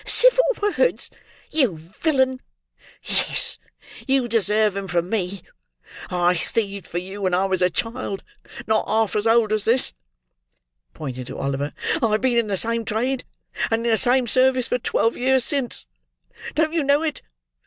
"Civil words, you villain! Yes, you deserve 'em from me. I thieved for you when I was a child not half as old as this!" pointing to Oliver. "I have been in the same trade, and in the same service, for twelve years since. Don't you know it?